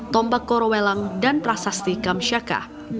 tombak korowelang dan prasasti kamsyaka